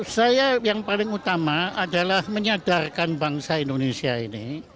saya yang paling utama adalah menyadarkan bangsa indonesia ini